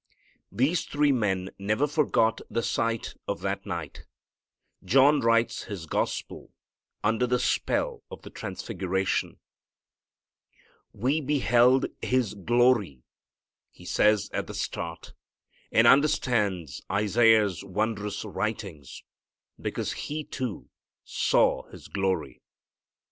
These three men never forgot the sight of that night. John writes his Gospel under the spell of the transfiguration. "We beheld His glory" he says at the start, and understands Isaiah's wondrous writings, because he, too, "_saw His glory."